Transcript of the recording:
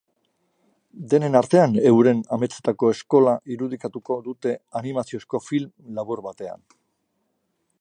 Denen artean, euren ametsetako eskola irudikatuko dute animaziozko film labur batean.